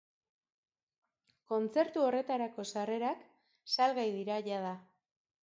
Kontzertu horretarako sarrerak salgai dira jada.